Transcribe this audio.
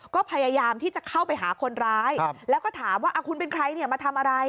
ก็พยายามที่จะเข้าไปหาคนร้ายแล้วก็ถามว่าคุณเป็นใครเนี่ยมาทำอะไร